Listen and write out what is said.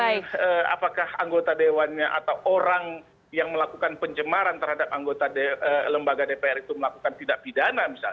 apakah anggota dewannya atau orang yang melakukan pencemaran terhadap anggota dpr itu melakukan pidana yang tidak bisa